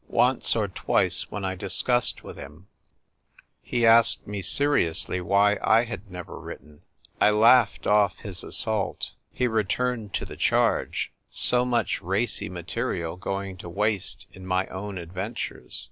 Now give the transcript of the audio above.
Once or twice when I discussed with him he asked me seriously why I had never written. I laughed off his assault. He re turned to the charge ; so much racy material going to waste in my own adventures.